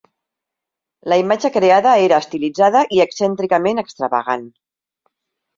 La imatge creada era estilitzada i excèntricament extravagant.